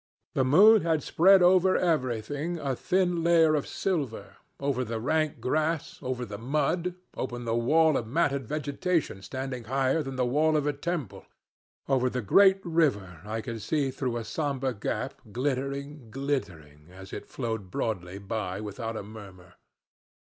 The moon had spread over everything a thin layer of silver over the rank grass, over the mud, upon the wall of matted vegetation standing higher than the wall of a temple, over the great river I could see through a somber gap glittering, glittering, as it flowed broadly by without a murmur.